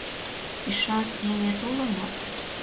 Ӱшан еҥет уло мо?